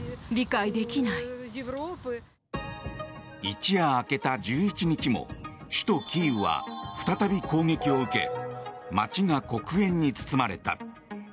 一夜明けた１１日も首都キーウは再び攻撃を受け街が黒煙に包まれた。